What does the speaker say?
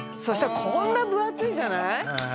そしたらこんな分厚いじゃない？